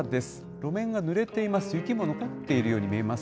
路面がぬれています。